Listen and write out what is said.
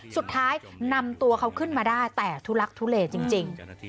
สุดท้ายนำตัวเขาขึ้นมาได้แต่ทุลักทุเลจริง